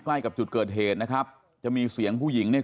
ใกล้กับจุดเกิดเหตุนะครับจะมีเสียงผู้หญิงเนี่ย